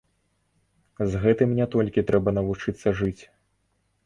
З гэтым не толькі трэба навучыцца жыць.